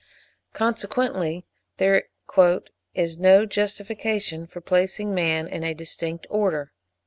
Consequently there "is no justification for placing man in a distinct order."